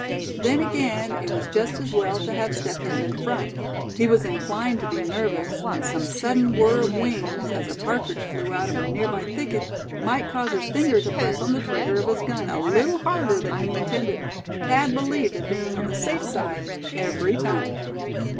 Then again, it was just as well to have Step Hen in front. He was inclined to be nervous; and some sudden whirr of wings, as a partridge flew out of a nearby thicket, might cause his finger to press on the trigger of his gun a little harder than he intended. Thad believed in being on the safe side, every time.